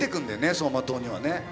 走馬灯にはね。